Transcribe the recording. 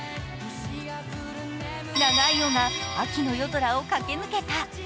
長い尾が秋の夜空を駆け抜けた。